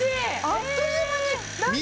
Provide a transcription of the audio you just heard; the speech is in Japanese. あっという間になんか。